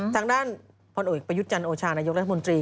ทางด้านพลเอกประยุทธ์จันโอชานายกรัฐมนตรี